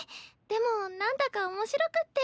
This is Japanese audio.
でもなんだか面白くって。